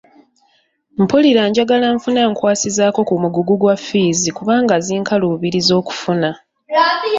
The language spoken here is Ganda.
Mpulira njagala nfune ankwasizaako ku mugugu gwa ffiizi kubanga zinkaluubiriza okufuna.